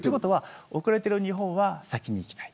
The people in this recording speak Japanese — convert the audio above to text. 遅れてる日本は先にいきたい。